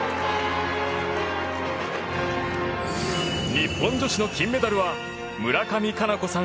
日本女子の金メダルは村上佳菜子さん